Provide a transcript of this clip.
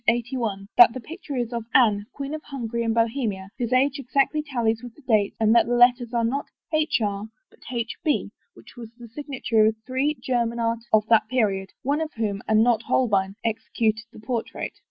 81, that the picture is of Anne, Queen of Hungary and Bohemia, whose age exactly tallies with the dates, and that the letters are not HR, but HB, which was the signature of three German artists of that period, one of whom, and not Holbein, executed the portrait.